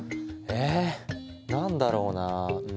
え何だろうなうん。